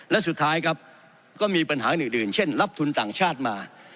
และสุดท้ายครับก็มีปัญหาอื่นเช่นรับทุนต่างชาติมา